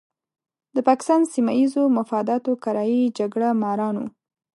د پاکستان سیمه ییزو مفاداتو کرایي جګړه ماران وو.